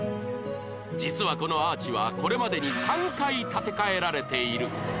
実はこのアーチはこれまでに３回建て替えられている